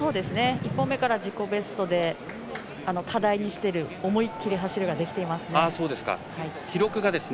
１本目から自己ベストで課題にしている思い切り走るができていますね。